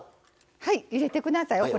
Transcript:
はい入れてください。